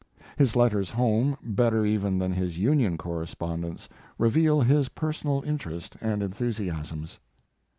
His letters home, better even than his Union correspondence, reveal his personal interest and enthusiasms.